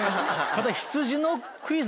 ただ。